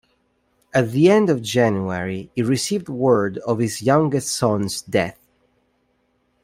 At the end of January he received word of his youngest son's death.